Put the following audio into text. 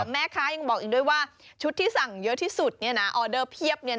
แม่ค้ายังบอกอีกด้วยว่าชุดที่สั่งเยอะที่สุดออเดอร์เพียบ